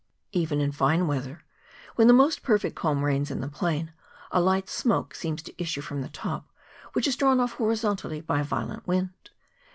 Even in fine weather, when the most perfect calm reigns in the plain, a light smoke seems to issue from the top, which is drawn off horizontally by a violent wind.